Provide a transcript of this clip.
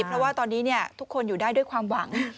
เพราะว่าตอนนี้ทุกคนอยู่ได้ด้วยความหวัง